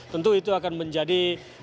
tentu itu akan menjadi